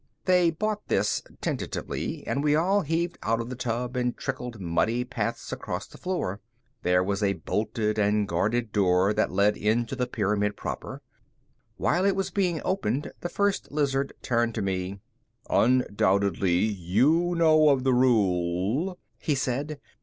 They bought this, tentatively, and we all heaved out of the tub and trickled muddy paths across the floor. There was a bolted and guarded door that led into the pyramid proper. While it was being opened, the First Lizard turned to me. "Undoubtedly you know of the rule," he said.